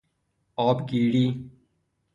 آبگیری